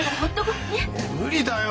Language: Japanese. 無理だよ。